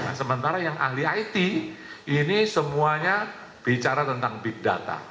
nah sementara yang ahli it ini semuanya bicara tentang big data